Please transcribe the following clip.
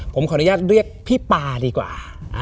ผมขออนุญาตเรียกพี่ปาดีกว่า